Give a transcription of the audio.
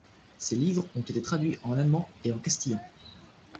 Ses livres ont été traduits en allemand et en castillan.